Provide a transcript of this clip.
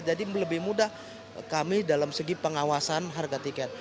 jadi lebih mudah kami dalam segi pengawasan harga tiket